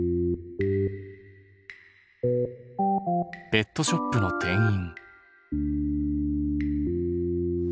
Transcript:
ペットショップの店員。